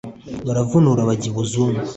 Baravunura bajya i Buzungu